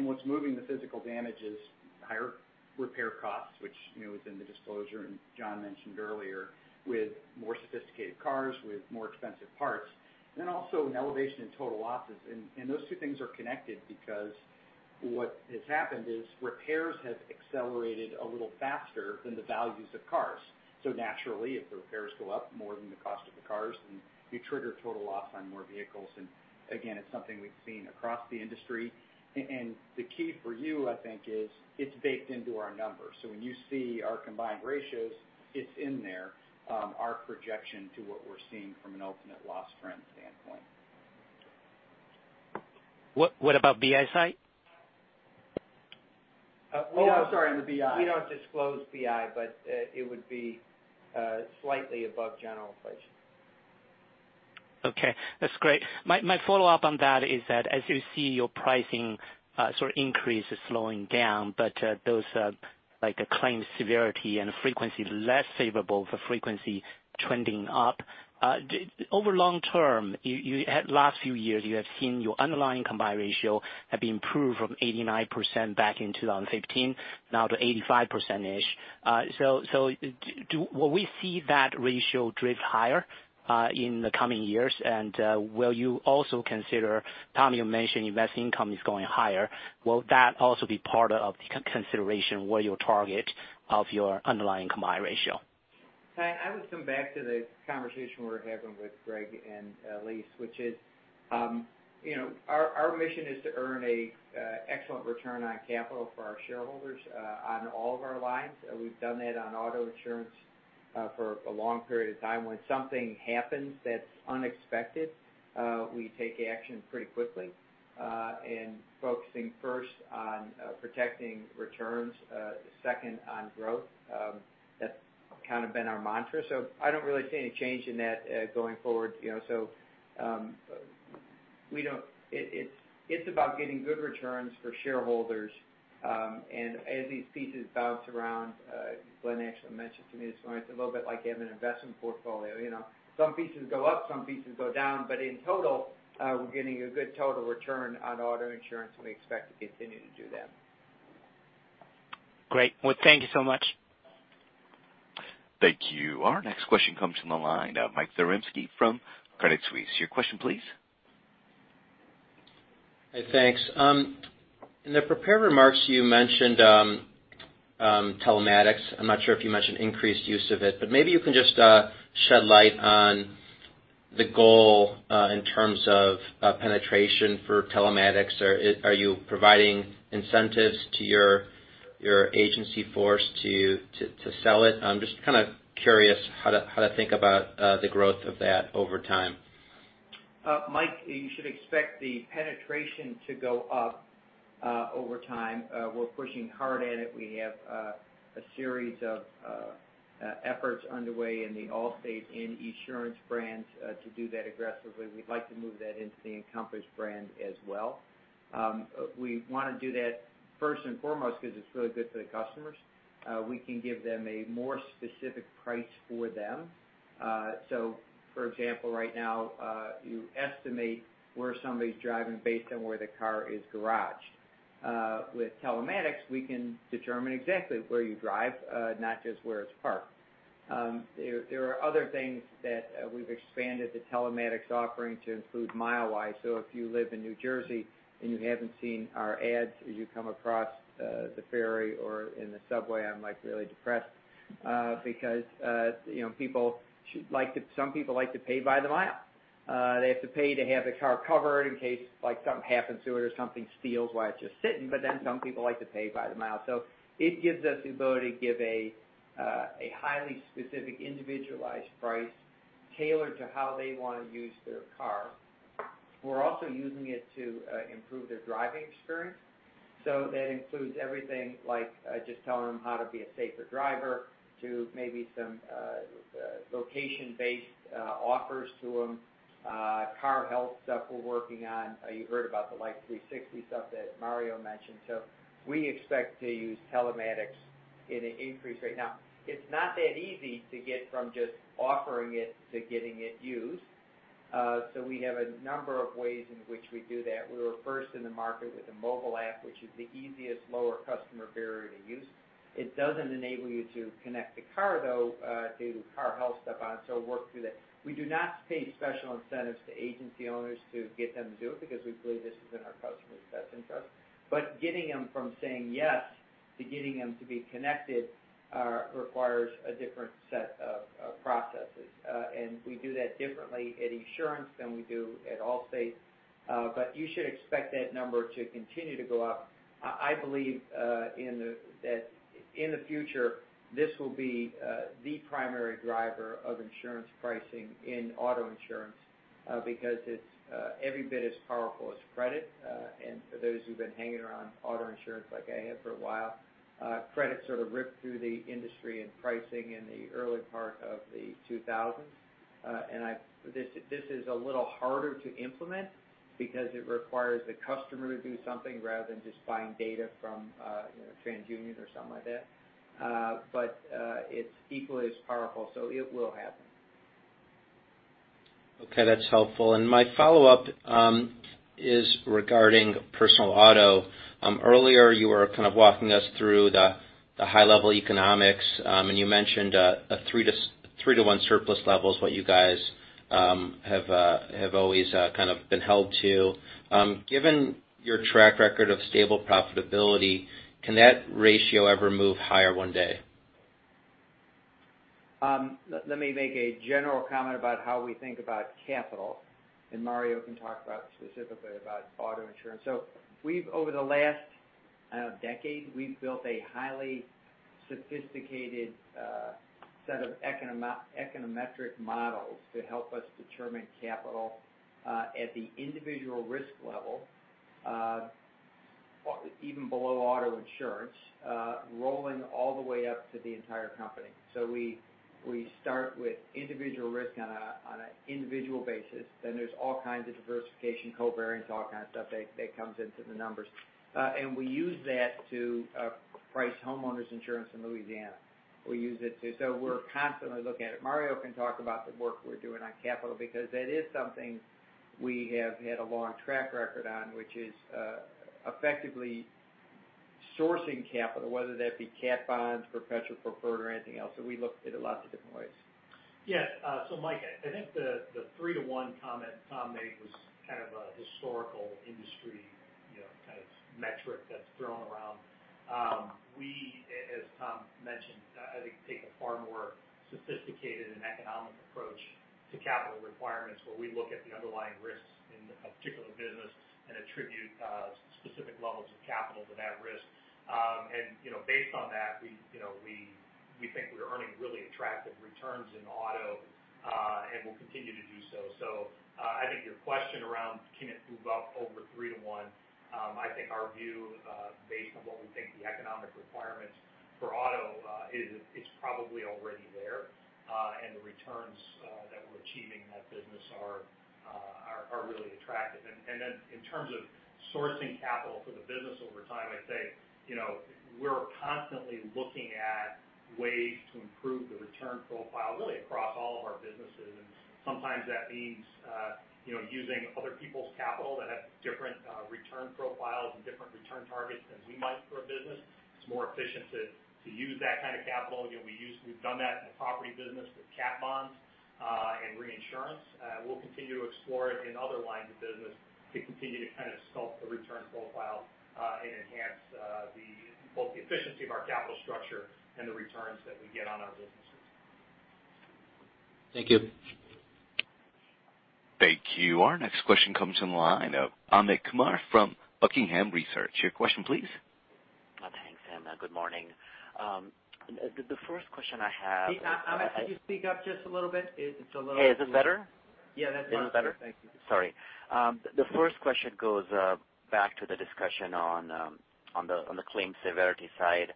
What's moving the physical damage is higher repair costs, which was in the disclosure, and John mentioned earlier, with more sophisticated cars with more expensive parts, then also an elevation in total losses. Those two things are connected because what has happened is repairs have accelerated a little faster than the values of cars. Naturally, if the repairs go up more than the cost of the cars, then you trigger total loss on more vehicles. Again, it's something we've seen across the industry. The key for you, I think, is it's baked into our numbers. When you see our combined ratios, it's in there, our projection to what we're seeing from an ultimate loss trend standpoint. What about BI side? Oh, I'm sorry, on the BI. We don't disclose BI, but it would be slightly above general inflation. Okay. That's great. My follow-up on that is that as you see your pricing increases slowing down, but those, like claimed severity and frequency less favorable for frequency trending up. Over long term, last few years, you have seen your underlying combined ratio have improved from 89% back in 2015, now to 85%-ish. Will we see that ratio drift higher in the coming years? Will you also consider, Tom, you mentioned investment income is going higher, will that also be part of the consideration where your target of your underlying combined ratio? Kai, I would come back to the conversation we were having with Greg and Elyse, which is our mission is to earn an excellent return on capital for our shareholders on all of our lines. We've done that on auto insurance for a long period of time. When something happens that's unexpected, we take action pretty quickly, and focusing first on protecting returns, second on growth. That's kind of been our mantra. I don't really see any change in that going forward. It's about getting good returns for shareholders. As these pieces bounce around, Glenn actually mentioned to me this morning, it's a little bit like you have an investment portfolio. Some pieces go up, some pieces go down, but in total, we're getting a good total return on auto insurance, and we expect to continue to do that. Great. Well, thank you so much. Thank you. Our next question comes from the line of Mike Zaremski from Credit Suisse. Your question please. Hey, thanks. In the prepared remarks, you mentioned telematics. I'm not sure if you mentioned increased use of it, maybe you can just shed light on the goal in terms of penetration for telematics. Are you providing incentives to your agency force to sell it? I'm just kind of curious how to think about the growth of that over time. Mike, you should expect the penetration to go up over time. We're pushing hard at it. We have a series of efforts underway in the Allstate and Esurance brands to do that aggressively. We'd like to move that into the Encompass brand as well. We want to do that first and foremost because it's really good for the customers. We can give them a more specific price for them. For example, right now, you estimate where somebody's driving based on where the car is garaged. With telematics, we can determine exactly where you drive, not just where it's parked. There are other things that we've expanded the telematics offering to include Milewise. If you live in New Jersey and you haven't seen our ads as you come across the ferry or in the subway, I'm really depressed, because some people like to pay by the mile. They have to pay to have the car covered in case something happens to it or something steals while it's just sitting, some people like to pay by the mile. It gives us the ability to give a highly specific, individualized price tailored to how they want to use their car. We're also using it to improve their driving experience. That includes everything like just telling them how to be a safer driver to maybe some location-based offers to them, car health stuff we're working on. You heard about the Life360 stuff that Mario mentioned. We expect to use telematics in an increase rate. Now, it's not that easy to get from just offering it to getting it used. We have a number of ways in which we do that. We were first in the market with a mobile app, which is the easiest lower customer barrier to use. It doesn't enable you to connect the car, though, to car health stuff on, so work through that. We do not pay special incentives to agency owners to get them to do it because we believe this is in our customer's best interest. Getting them from saying yes to getting them to be connected requires a different set of processes. We do that differently at Esurance than we do at Allstate. You should expect that number to continue to go up. I believe that in the future, this will be the primary driver of insurance pricing in auto insurance, because it's every bit as powerful as credit. For those who've been hanging around auto insurance like I have for a while, credit sort of ripped through the industry and pricing in the early part of the 2000s. This is a little harder to implement because it requires the customer to do something rather than just buying data from TransUnion or something like that. It's equally as powerful, so it will happen. Okay, that's helpful. My follow-up is regarding personal auto. Earlier, you were kind of walking us through the high-level economics, and you mentioned a 3-to-1 surplus level is what you guys have always kind of been held to. Given your track record of stable profitability, can that ratio ever move higher one day? Let me make a general comment about how we think about capital, and Mario can talk specifically about auto insurance. Over the last decade, we've built a highly sophisticated set of econometric models to help us determine capital, at the individual risk level, even below auto insurance, rolling all the way up to the entire company. We start with individual risk on an individual basis, then there's all kinds of diversification, co-variants, all kind of stuff that comes into the numbers. We use that to price homeowners insurance in Louisiana. We're constantly looking at it. Mario can talk about the work we're doing on capital, because that is something we have had a long track record on, which is effectively sourcing capital, whether that be catastrophe bonds, perpetual preferred, or anything else, so we look at it lots of different ways. Mike, I think the 3 to 1 comment Tom made was kind of a historical industry kind of metric that's thrown around. We, as Tom mentioned, I think, take a far more sophisticated and economic approach to capital requirements, where we look at the underlying risks in a particular business and attribute specific levels of capital to that risk. Based on that, we think we're earning really attractive returns in auto, and will continue to do so. I think your question around can it move up over 3 to 1, I think our view, based on what we think the economic requirements for auto is, it's probably already there. The returns that we're achieving in that business are really attractive. In terms of sourcing capital for the business over time, I'd say, we're constantly looking at ways to improve the return profile, really across all of our businesses. Sometimes that means using other people's capital that have different return profiles and different return targets than we might for a business. It's more efficient to use that kind of capital. Again, we've done that in the property business with catastrophe bonds and reinsurance. We'll continue to explore it in other lines of business to continue to kind of sculpt the return profile, and enhance both the efficiency of our capital structure and the returns that we get on our businesses. Thank you. Thank you. Our next question comes on the line. Amit Kumar from Buckingham Research. Your question, please. Thanks. Good morning. The first question I have- Amit, could you speak up just a little bit? It's a little- Hey, is this better? Yeah, that's better. Thank you. Sorry. The first question goes back to the discussion on the claims severity side.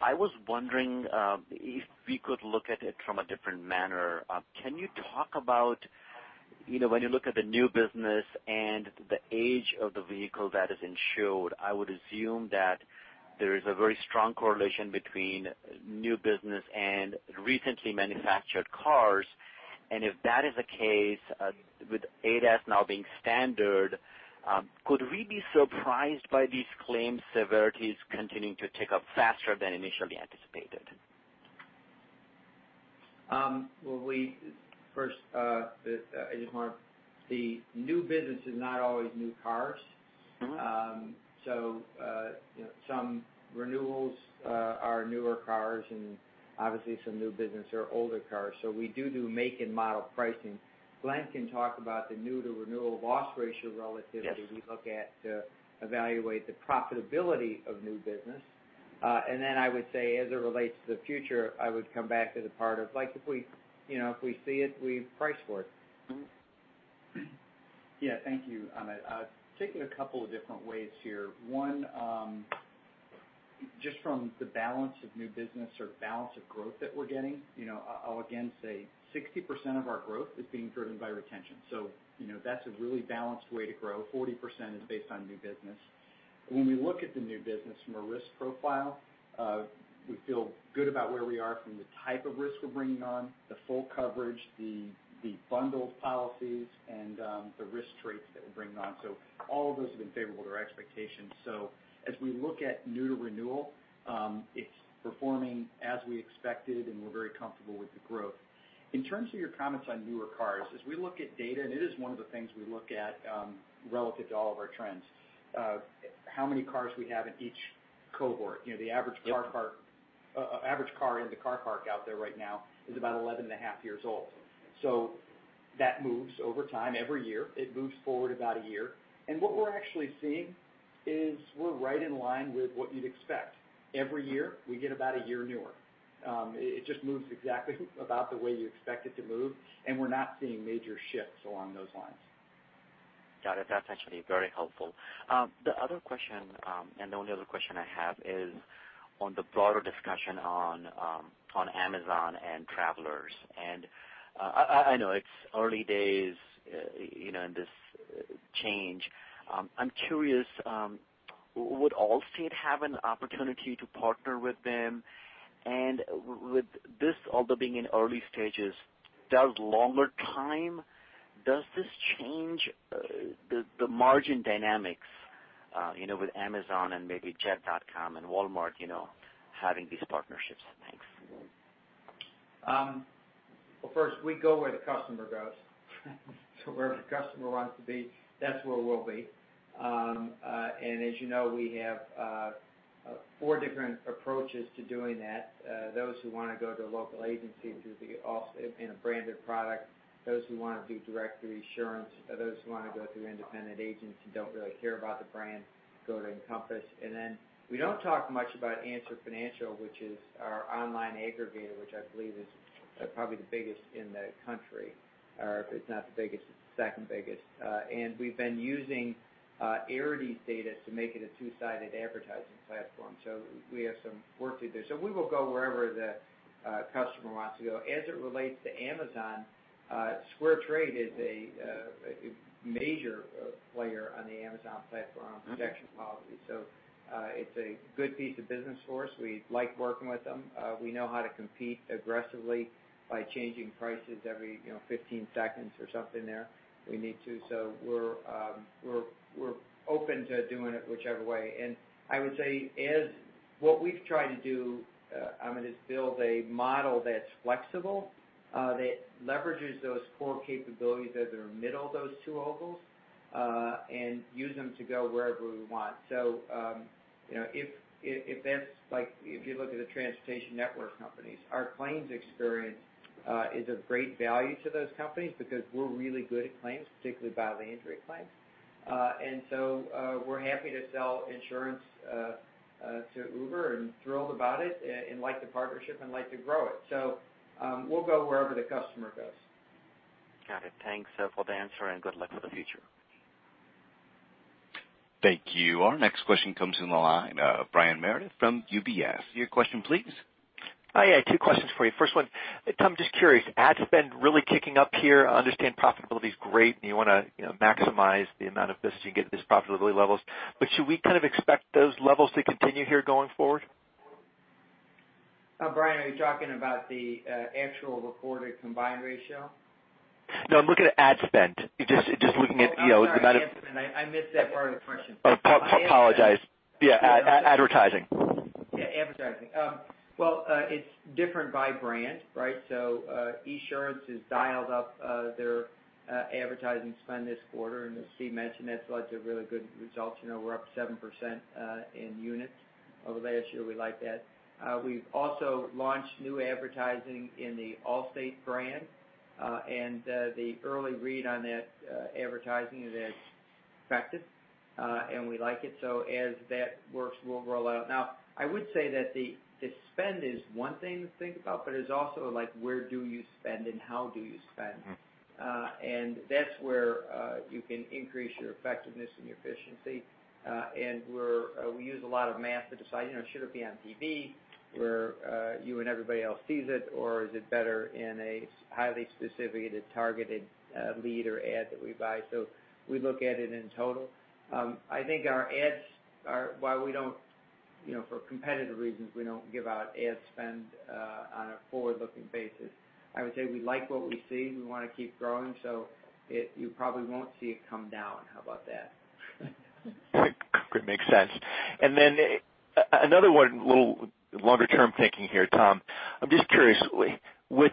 I was wondering if we could look at it from a different manner. Can you talk about when you look at the new business and the age of the vehicle that is insured, I would assume that there is a very strong correlation between new business and recently manufactured cars. If that is the case, with ADAS now being standard, could we be surprised by these claims severities continuing to tick up faster than initially anticipated? Well, first, I just want to say, new business is not always new cars. Some renewals are newer cars, and obviously some new business are older cars. We do make and model pricing. Glenn can talk about the new to renewal loss ratio relatively- Yes we look at to evaluate the profitability of new business. Then I would say as it relates to the future, I would come back to the part of like if we see it, we price for it. Yeah. Thank you, Amit. Take it a couple of different ways here. One, just from the balance of new business or balance of growth that we're getting, I'll again say 60% of our growth is being driven by retention, so that's a really balanced way to grow. 40% is based on new business. When we look at the new business from a risk profile, we feel good about where we are from the type of risk we're bringing on, the full coverage, the bundled policies, and the risk traits that we're bringing on. All of those have been favorable to our expectations. As we look at new to renewal, it's performing as we expected, and we're very comfortable with the growth. In terms of your comments on newer cars, as we look at data, and it is one of the things we look at relative to all of our trends, how many cars we have in each cohort. The average car- Yep in the car park out there right now is about 11 and a half years old. That moves over time every year. It moves forward about a year. What we're actually seeing is we're right in line with what you'd expect. Every year, we get about a year newer. It just moves exactly about the way you expect it to move, and we're not seeing major shifts along those lines. Got it. That's actually very helpful. The other question, the only other question I have is on the broader discussion on Amazon and Travelers. I know it's early days in this change. I'm curious, would Allstate have an opportunity to partner with them? With this although being in early stages, does longer time, does this change the margin dynamics? With Amazon and maybe jet.com and Walmart, having these partnerships. Thanks. First, we go where the customer goes. Wherever the customer wants to be, that's where we'll be. As you know, we have four different approaches to doing that. Those who want to go to a local agency through the offering a branded product, those who want to do direct through Esurance, those who want to go through independent agents who don't really care about the brand, go to Encompass. We don't talk much about Answer Financial, which is our online aggregator, which I believe is probably the biggest in the country, or if it's not the biggest, it's the second biggest. We've been using Arity's data to make it a two-sided advertising platform. We have some work to do. We will go wherever the customer wants to go. As it relates to Amazon, SquareTrade is a major player on the Amazon platform protection policy. It's a good piece of business for us. We like working with them. We know how to compete aggressively by changing prices every 15 seconds or something there, we need to. We're open to doing it whichever way. I would say, what we've tried to do, Amit, is build a model that's flexible, that leverages those core capabilities that are middle of those two ovals, and use them to go wherever we want. If you look at the transportation network companies, our claims experience is of great value to those companies because we're really good at claims, particularly bodily injury claims. We're happy to sell insurance to Uber and thrilled about it and like the partnership and like to grow it. We'll go wherever the customer goes. Got it. Thanks for the answer and good luck for the future. Thank you. Our next question comes in the line of Brian Meredith from UBS. Your question, please. I have two questions for you. First one, Tom, just curious, ad spend really kicking up here. I understand profitability's great, and you want to maximize the amount of this, to get these profitability levels. Should we kind of expect those levels to continue here going forward? Brian, are you talking about the actual reported combined ratio? No, I'm looking at ad spend. Just looking at the amount of. Oh, I'm sorry. Ad spend. I missed that part of the question. Oh, apologize. Yeah. Advertising. Yeah. Advertising. Well, it's different by brand, right? Esurance has dialed up their advertising spend this quarter, and as Steve mentioned, that's led to really good results. We're up 7% in units over last year. We like that. We've also launched new advertising in the Allstate brand. The early read on that advertising is that it's effective, and we like it. As that works, we'll roll out. Now, I would say that the spend is one thing to think about, but it's also like, where do you spend and how do you spend? That's where you can increase your effectiveness and your efficiency. We use a lot of math to decide, should it be on TV where you and everybody else sees it, or is it better in a highly specific and targeted lead or ad that we buy? We look at it in total. I think our ads are, while we don't, for competitive reasons, we don't give out ad spend on a forward-looking basis. I would say we like what we see. We want to keep growing, you probably won't see it come down. How about that? Good. Makes sense. Then another one, little longer-term thinking here, Tom. I'm just curious. With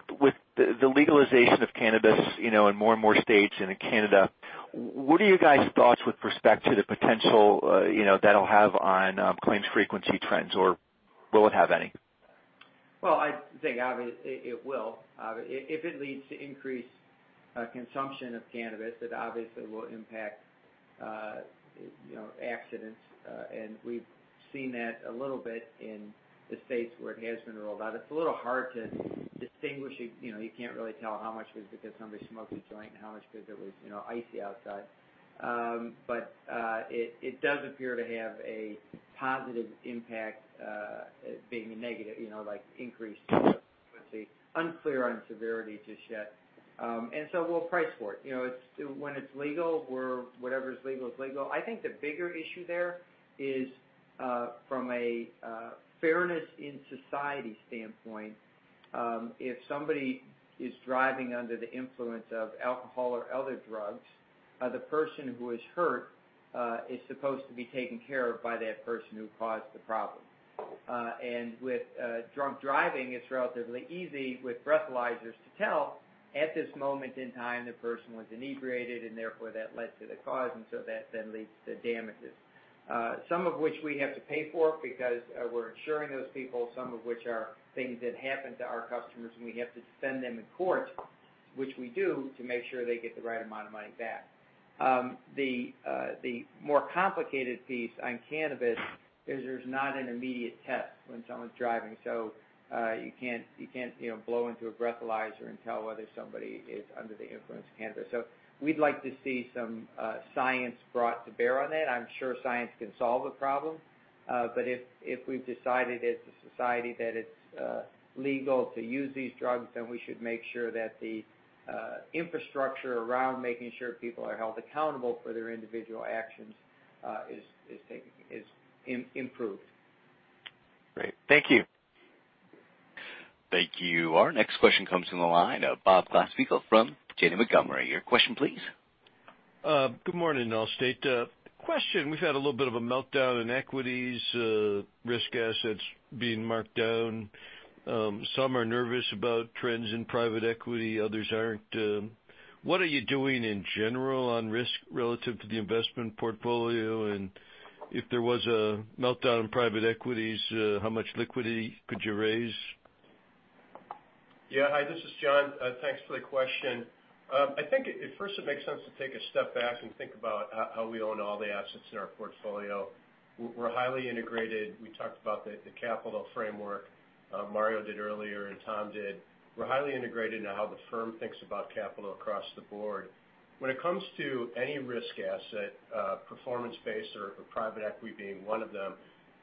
the legalization of cannabis in more and more states and in Canada, what are you guys' thoughts with respect to the potential that'll have on claims frequency trends, or will it have any? I think obvious it will. If it leads to increased consumption of cannabis, it obviously will impact accidents. We've seen that a little bit in the states where it has been rolled out. It's a little hard to distinguish. You can't really tell how much was because somebody smoked a joint and how much because it was icy outside. It does appear to have a positive impact, being a negative, like increased frequency. Unclear on severity just yet. We'll price for it. When it's legal, whatever's legal is legal. I think the bigger issue there is, from a fairness in society standpoint, if somebody is driving under the influence of alcohol or other drugs, the person who is hurt is supposed to be taken care of by that person who caused the problem. With drunk driving, it's relatively easy with breathalyzers to tell at this moment in time the person was inebriated, and therefore, that led to the cause, that then leads to damages. Some of which we have to pay for because we're insuring those people, some of which are things that happen to our customers, and we have to defend them in court, which we do to make sure they get the right amount of money back. The more complicated piece on cannabis is there's not an immediate test when someone's driving. You can't blow into a breathalyzer and tell whether somebody is under the influence of cannabis. We'd like to see some science brought to bear on that. I'm sure science can solve the problem. If we've decided as a society that it's legal to use these drugs, we should make sure that the infrastructure around making sure people are held accountable for their individual actions is improved. Great. Thank you. Thank you. Our next question comes from the line of Bob Glasspiegel from Janney Montgomery. Your question, please. Good morning, Allstate. Question, we've had a little bit of a meltdown in equities, risk assets being marked down. Some are nervous about trends in private equity, others aren't. What are you doing in general on risk relative to the investment portfolio? If there was a meltdown in private equities, how much liquidity could you raise? Hi, this is John. Thanks for the question. I think at first it makes sense to take a step back and think about how we own all the assets in our portfolio. We're highly integrated. We talked about the capital framework, Mario did earlier, Tom did. We're highly integrated into how the firm thinks about capital across the board. When it comes to any risk asset, performance-based or private equity being one of them,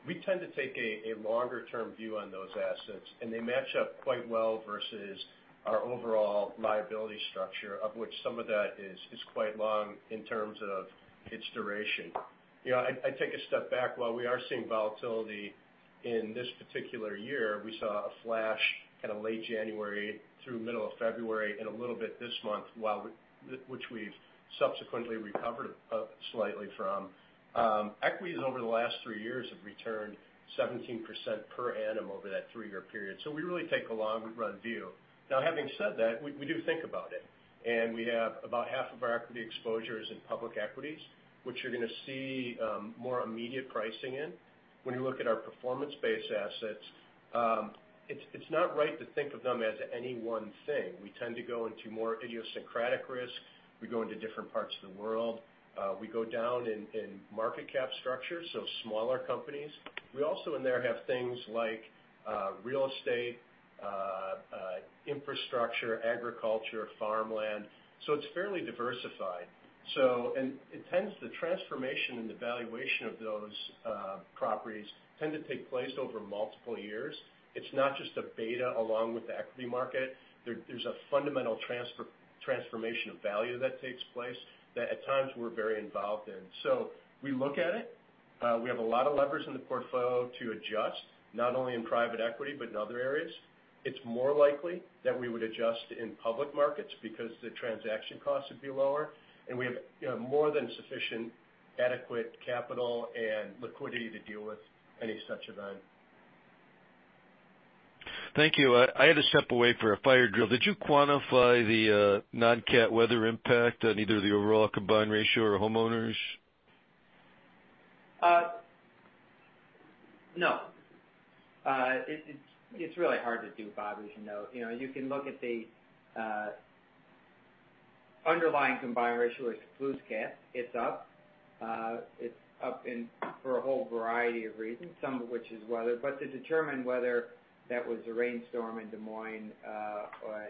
we tend to take a longer-term view on those assets, and they match up quite well versus our overall liability structure, of which some of that is quite long in terms of its duration. I take a step back. While we are seeing volatility in this particular year, we saw a flash kind of late January through middle of February and a little bit this month, which we've subsequently recovered up slightly from. Equities over the last three years have returned 17% per annum over that three-year period. We really take a long-run view. Now, having said that, we do think about it, we have about half of our equity exposures in public equities, which you're going to see more immediate pricing in. When you look at our performance-based assets, it's not right to think of them as any one thing. We tend to go into more idiosyncratic risk. We go into different parts of the world. We go down in market cap structure, so smaller companies. We also in there have things like real estate, infrastructure, agriculture, farmland, so it's fairly diversified. The transformation and the valuation of those properties tend to take place over multiple years. It's not just a beta along with the equity market. There's a fundamental transformation of value that takes place that at times we're very involved in. We look at it. We have a lot of levers in the portfolio to adjust, not only in private equity, but in other areas. It's more likely that we would adjust in public markets because the transaction costs would be lower, and we have more than sufficient adequate capital and liquidity to deal with any such event. Thank you. I had to step away for a fire drill. Did you quantify the non-cat weather impact on either the overall combined ratio or homeowners? No. It's really hard to do, Bob, as you know. You can look at the underlying combined ratio excludes cat. It's up. It's up for a whole variety of reasons, some of which is weather. To determine whether that was a rainstorm in Des Moines,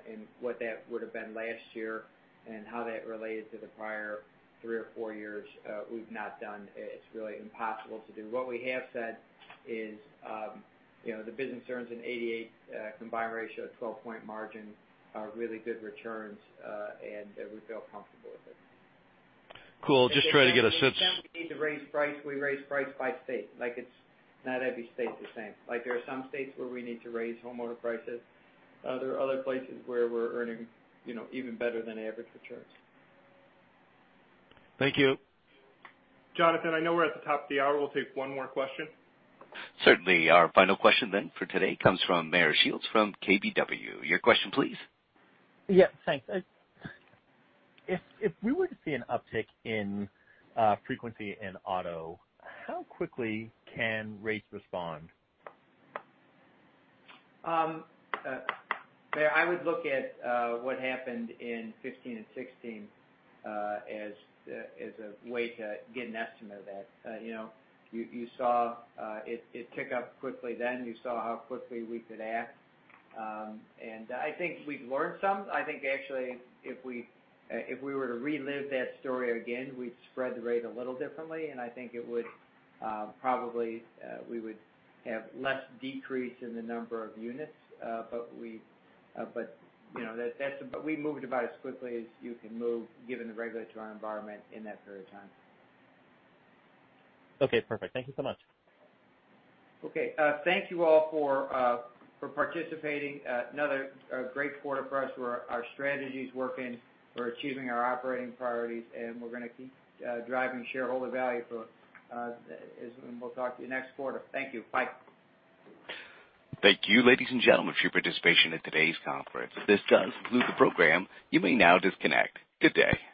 and what that would've been last year and how that related to the prior three or four years, we've not done. It's really impossible to do. What we have said is the business earns an 88 combined ratio at 12-point margin are really good returns, and we feel comfortable with it. Cool. Just try to get a sense- If we need to raise price, we raise price by state. It's not every state the same. There are some states where we need to raise homeowner prices. There are other places where we're earning even better than average returns. Thank you. Jonathan, I know we're at the top of the hour. We'll take one more question. Certainly. Our final question then for today comes from Meyer Shields from KBW. Your question, please. Yeah, thanks. If we were to see an uptick in frequency in auto, how quickly can rates respond? Meyer, I would look at what happened in 2015 and 2016 as a way to get an estimate of that. You saw it tick up quickly, then you saw how quickly we could act. I think we've learned some. I think actually, if we were to relive that story again, we'd spread the rate a little differently, and I think probably we would have less decrease in the number of units. We moved about as quickly as you can move given the regulatory environment in that period of time. Okay, perfect. Thank you so much. Okay. Thank you all for participating. Another great quarter for us where our strategy's working. We're achieving our operating priorities, and we're going to keep driving shareholder value. We'll talk to you next quarter. Thank you. Bye. Thank you, ladies and gentlemen, for your participation in today's conference. This does conclude the program. You may now disconnect. Good day.